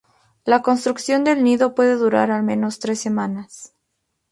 La construcción del nido puede durar al menos tres semanas.